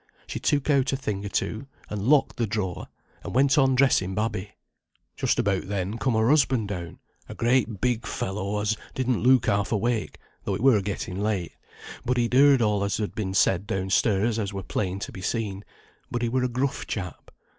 She took out a thing or two; and locked the drawer, and went on dressing babby. Just about then come her husband down, a great big fellow as didn't look half awake, though it were getting late; but he'd heard all as had been said down stairs, as were plain to be seen; but he were a gruff chap.